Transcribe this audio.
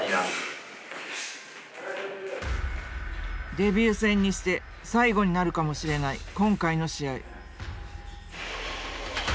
デビュー戦にして最後になるかもしれない今回の試合。